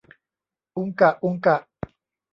อุงกะ อุงกะ